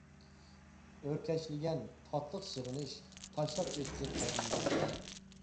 ئۆركەشلىگەن تاتلىق سېغىنىش، تاشلاپ ئۆتتى قەلبىمگە ئەلەم.